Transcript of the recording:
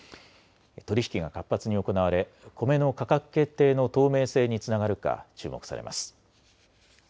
取り引きが活発に行われコメの価格決定の透明性につながるか注目されます。